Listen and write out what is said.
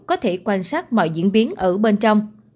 có thể quan sát mọi diễn biến ở bên trong